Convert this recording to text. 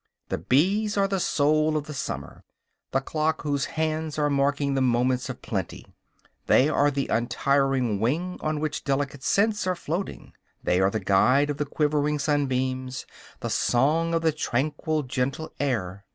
The bees are the soul of the summer, the clock whose hands are marking the moments of plenty; they are the untiring wing on which delicate scents are floating; they are the guide of the quivering sunbeams, the song of the tranquil, gentle air.